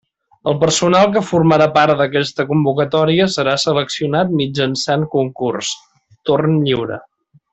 El personal que formarà part d'aquesta convocatòria serà seleccionat mitjançant concurs, torn lliure.